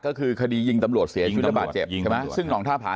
ก็คือคดียิงตำรวจเสียชีวิตระบาดเจ็บยิงใช่ไหมซึ่งห่องท่าผา